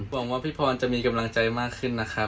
หวังว่าพี่พรจะมีกำลังใจมากขึ้นนะครับ